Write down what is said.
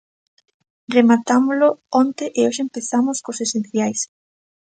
Rematámolo onte e hoxe empezamos cos esenciais.